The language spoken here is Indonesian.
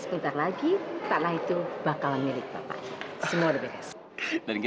kita gak perlu kamu randi